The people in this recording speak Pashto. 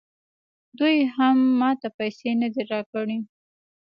دوی هم ماته پیسې نه دي راکړي